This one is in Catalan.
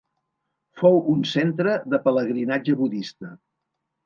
Fou un centre de pelegrinatge budista.